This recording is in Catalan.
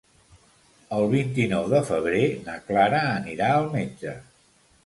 El vint-i-nou de febrer na Clara anirà al metge.